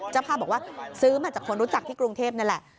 เจ้าภาพบอกว่าซื้อมาจากคนรู้จักที่กรุงเทพนี่แหละ